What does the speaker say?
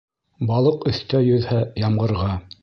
Балыҡ өҫтә йөҙһә ямғырға.